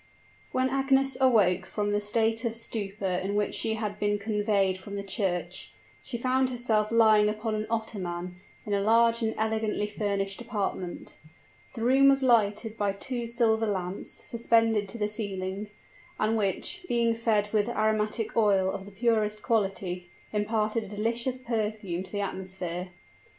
When Agnes awoke from the state of stupor in which she had been conveyed from the church, she found herself lying upon an ottoman, in a large and elegantly furnished apartment. The room was lighted by two silver lamps suspended to the ceiling, and which, being fed with aromatic oil of the purest quality, imparted a delicious perfume to the atmosphere.